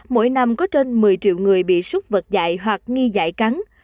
mỗi năm có trên một mươi triệu người bị súc vật dạy hoặc nghi giải cắn